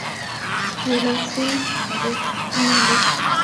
I wallaksei ako ko inendet I